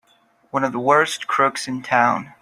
One of the worst crooks in town!